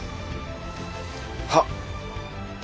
はっ。